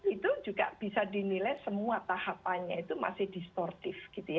itu juga bisa dinilai semua tahapannya itu masih distortif